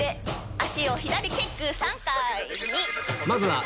足を左キック３回。